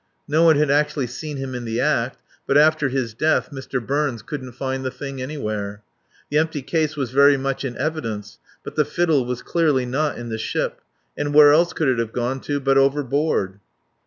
No one had actually seen him in the act, but after his death Mr. Burns couldn't find the thing anywhere. The empty case was very much in evidence, but the fiddle was clearly not in the ship. And where else could it have gone to but overboard?"